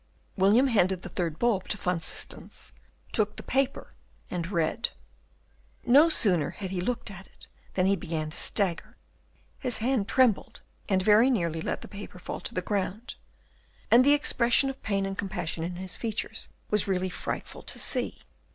William handed the third bulb to Van Systens, took the paper, and read. No sooner had he looked at it than he began to stagger; his hand trembled, and very nearly let the paper fall to the ground; and the expression of pain and compassion in his features was really frightful to see.